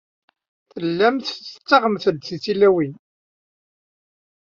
Tellamt tettawyemt-d tisiwanin.